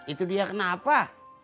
itu dia kenapa